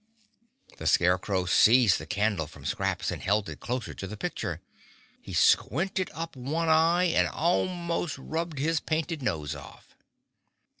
The Scarecrow seized the candle from Scraps and held it closer to the picture. He squinted up one eye and almost rubbed his painted nose off.